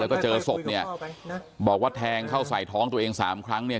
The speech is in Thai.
แล้วก็เจอศพเนี่ยบอกว่าแทงเข้าใส่ท้องตัวเองสามครั้งเนี่ย